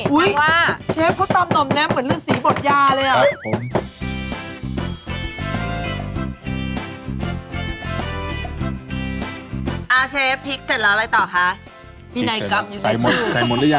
อุ๊ยเชฟเขาตำน้ำน้ำเหมือนที่สีบทยาเลยอะ